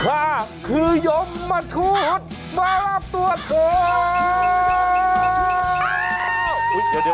ข้าคือยมมทุศมารับตัวเถอะ